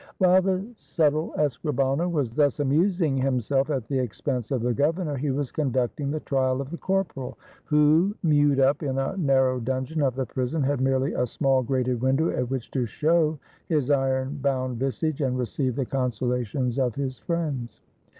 470 THE GOVERNOR AND THE NOTARY WTiile the subtle escrihano was thus amusing himself at the expense of the governor, he was conducting the trial of the corporal, who, mewed up in a narrow dun geon of the prison, had merely a small grated window at which to show his iron bound visage and receive the consolations of his friends.